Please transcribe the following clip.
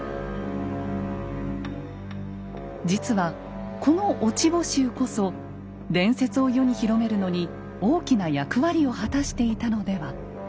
実はこの「落穂集」こそ伝説を世に広めるのに大きな役割を果たしていたのでは？